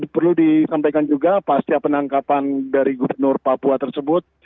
perlu disampaikan juga pasca penangkapan dari gubernur papua tersebut